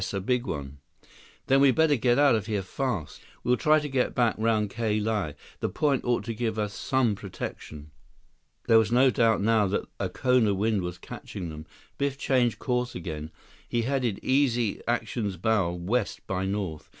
A big one." "Then we'd better get out of here fast. We'll try to get back round Ka Lae. The Point ought to give us some protection." There was no doubt now that a Kona wind was catching them. Biff changed course again. He headed Easy Action's bow west by north.